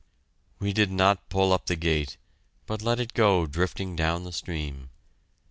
We did not pull up the gate, but let it go drifting down the stream.